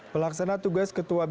pelaksana tugas ketua bip